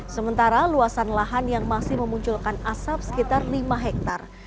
sementara luasan lahan yang masih memunculkan asap sekitar lima hektare